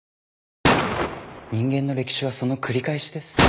人間の歴史はその繰り返しです。